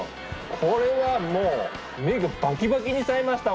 これはもう目がバキバキにさえましたわ。